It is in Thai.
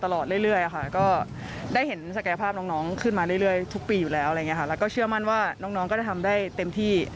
แล้วก็เชื่อมั่นว่าน้องก็ได้ทำได้เต็มที่